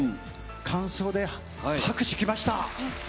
間奏で拍手来ました！